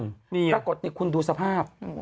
ปรากฏคุณดูสภาพ